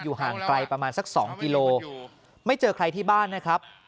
ห่างไกลประมาณสัก๒กิโลไม่เจอใครที่บ้านนะครับ